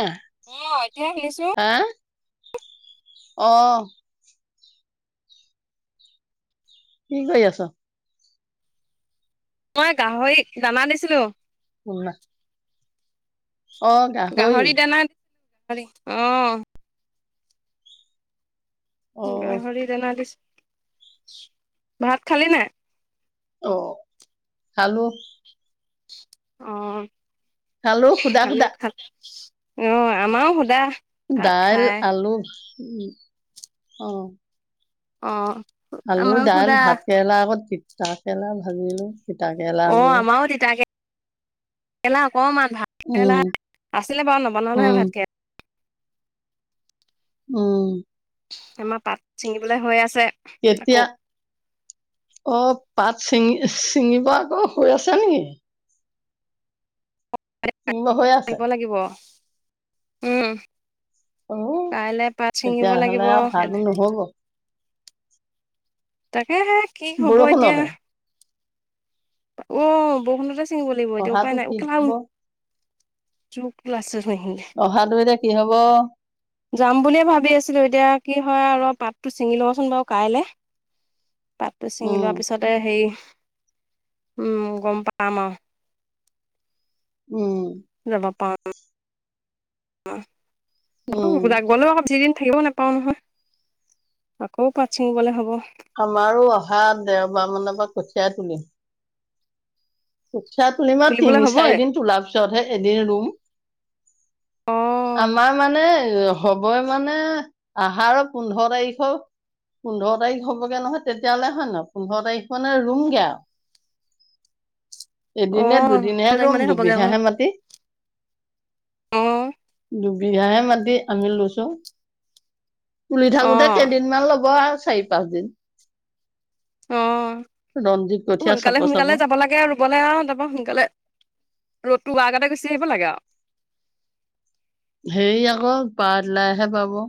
হা অ' এতিয়া হে শুনিছো। অ'। কি কৰি আছ। মই গাহৰিক দানা দিছিলো। পোগোলা। অ' গাহৰি। হয় নেকি অহ'। অ গাহৰি দানা দিছো। ভাত খালি নাই? অ' খালো। অ'। খালো সুদা সুদা খালো- খালো। অ' আমাৰও সোধা। দাইল, আলু উ অহ। অ'। আলু, আমাৰো দাইল, সুধা ভাত কেৰেলা আগত দি তাক এলা ভাজিলো। তিতা কেৰেলা, আলু এলা। অকণমান ভাত কেৰেলা উম আছিলে বাৰু নবনালোহে উম ভাত কেৰেলা। উম'। আমাৰ পাত চিঙিবলৈ হৈ আছে। আকৌ কেতিয়া অ' পাত চিঙি চিঙিব আকৌ হৈ আছে নেকি? ছিঙিব হৈ এ-এ' আছে লাগিব লাগিব। উম'। অ কাইলৈ পাত চিঙিব তেতিয়াহলে লাগিব। আৰু অহাটো নহব হে-হে কি হ'ব এতিয়া বৰষুণতে উ বৰষুণতে ছিঙিব লাগিব এতিয়া অহাটো উপায় নাই, উ কি হব কোই ক্লাছ [unintelligible] অহাটো এতিয়া কি হ'ব? যাম বুলিয়ে ভাবি আছিলো এতিয়া কি হয় আৰু পাতটো ছিঙি লওঁচোন বাৰু কাইলৈ পাতটো ছিঙি উম লোৱাৰ পিছতে হেৰি উম গম পাম আৰু উম যাবা পা অহ অহ উম, গ'লেও অকৌ যিদিন থাকিব নেপাও নহয় আকৌ পাত চিঙিবলে হ'ব আমাৰো অহা দেওবাৰে মানৰ পৰা কঠিয়াই তুলিম [unintelligible] কঠিয়া তুলিম আৰু তুলিবলে তিনি হ'বই চাৰি দিন তোলাৰ পিছতহে এদিন ৰুম অ আমাৰ মানে হবই মানে আহাৰৰ পোন্ধৰ তাৰিখৰ পোন্ধৰ তাৰিখ হ'বগে নহয় তেতিয়াহ'লে হয় নে পোন্ধৰ তাৰিখ মানে ৰুমগে আৰু অ এদিনে দুদিনহে ছয় তাৰিখ ৰুম মানে হ'বগে অ দুবিঘাহে মাটি। অ দুবি দুবিঘা হে মাটি আমি লৈছোঁ তুলি অ থাকোতে কেইদিনমান ল'ব আৰু চাৰি পাঁচ দিন অহ ৰঞ্জিত কঠীয়া চাপ সোনকালে চাপ সোনকালে যাব লাগে আৰু গ'লে আৰু তাৰপৰা সোনকালে, ৰ'দটো ওলোৱাৰ আগতে গুচি আহিব লাগে আৰু হেৰি আকৌ [unintelligible] পাব।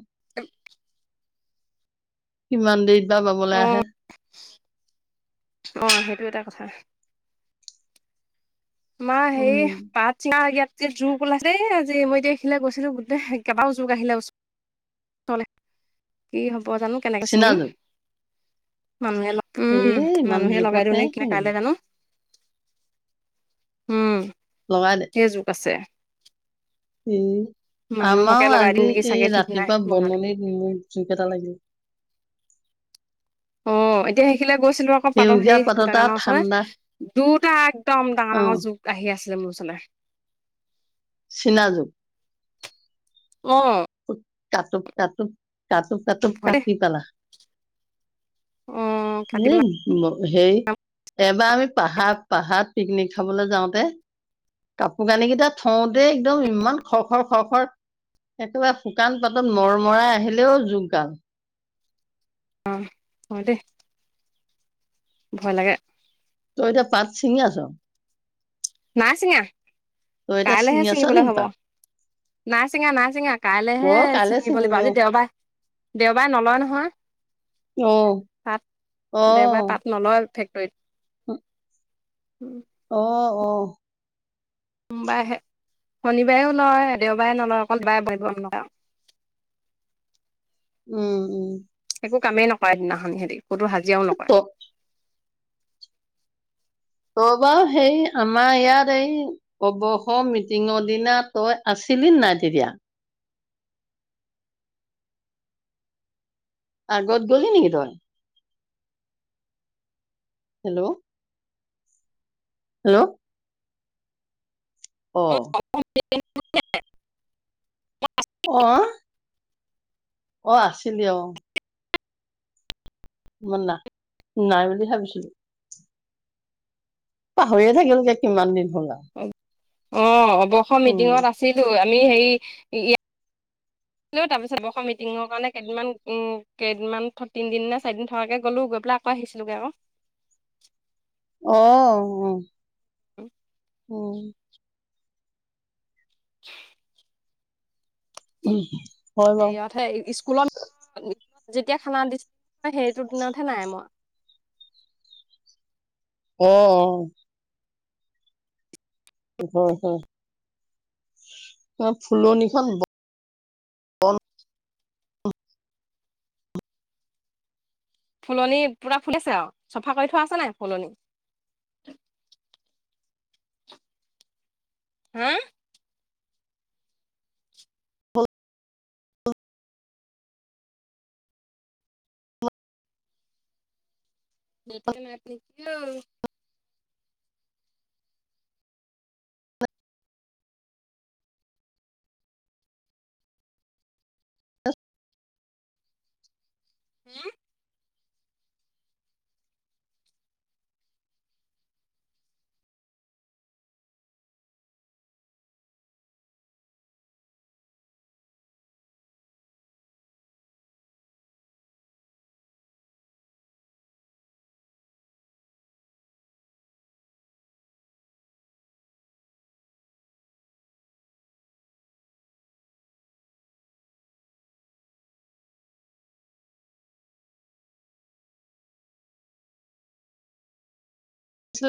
কিমান দিন পাবলৈ আহে। অহ সেইটো এটা কথা আমাৰ হেৰি উম পাত ছিঙা জোক ওলাইছে দেই আজি মই এতিয়া এখিলা গৈছিলো গোটে কেবাওঁ জোক আহিলে ওচৰলে, কি হব বজানো কেনেকে চীনা ছিঙিম। জোক মানুহে লগ উম, এই ইমান মানুহে লগাই দিওঁ জোকতে নে কিনে কাইলৈ জানো। উম ধেৰ জোক আছে। এহ মানুহকে আমাৰ লগাই দিম আজি নেকি এই চাগে ঠিক নাই ৰাতিপুৱা বঙালী বননিত মোৰ জোক এটা লাগিল। অহ এতিয়া সেইখিনিলে গৈছিলো আকৌ পাতৰ সেউজীয়া সেই পাততা ডাঙৰ ডাঙৰ ঠাণ্ডা [unintelligible] দুটা একদম ডাঙৰ অ ডাঙৰ জোক আহি আছে [unintelligible] মোৰ ওচৰলে চিনাজোক। অ'। তাতো তাতো কাটু কাটুক ভয় দেই কাটি পেলা। অ এ কাটিম না ম সেই এবাৰ আমি পাহাৰ পাহাৰ পিকনিক খাবলৈ যাওঁতে, কাপোৰ কানি কেইটা থওঁতে একদম ইমান খ খৰ খ খৰ একেবাৰে শুকান পাতত মৰমৰাই আহিলেও জোকডাল। হয় দেই। ভয় লাগে। তই এতিয়া পাত ছিঙি আছো? নাই চিঙা। তই এতিয়া কাইলেহে ছিঙি আছ চিঙিবলৈ নেকি হ'ব। পাত নাই চিঙা, নাই চিঙা অ কাইলেহে কাইলৈ চিঙিব লাগিব, ছিঙিবি অ আজি দেওবাৰ, দেওবাৰে নলয় নহয়, তাত অ অ দেওবাৰে তাত নলয় [inaudible] [inaudible] [inaudible] অ, অ'। [unintelligible] শনিবাৰেও নহয় দেওবাৰে নলয় অকল [unintelligible] উম, উম। একো কামেই নকৰে সিদিনাখন হেৰি হাজিৰাওঁ ত নকৰে। তই বাৰু সেই আমাৰ ইয়াৰ এই অৱসৰ মিটিঙৰ দিনা তই আছিলি নাই তেতিয়া? আগত গলি নেকি তই? হেল্ল' হেল্ল' অ'। [inaudible] আহ। অ' আছিলি অ' না নাই বুলি ভাবিছিলো। পাহৰিয়ে থাকিল যে কিমান দিন। [inaudible] অ' মই উম মিটিঙত আছিলো। আমি হেৰি তাৰ পিছত বৰ্ষ মিটিঙৰ কাৰণে কেইদিনমান উ কেইদিনমান তিনদিন নে চাৰিদিন থকাকে গলো, গৈ পেলাই আকৌ আহিছিলোগে আকৌ। আহ বু [inaudible] [inaudible] [inaudible] উম। হয় বাৰু সেইয়াত সেই স্কুলত যেতিয়া খানা দিছিল সেইটো দিনতহে নাই মই। অ'। হয় হয়। [unintelligible] ফুলনিখন ব ফুলনি পুৰা ফুলিছে আৰু চফা কৰি থোৱা আছে নে নাই, ফুলনি? হুম। [inaudible] [unintelligible] হম। আছিলে